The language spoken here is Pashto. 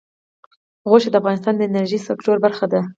غوښې د افغانستان د انرژۍ سکتور برخه ده.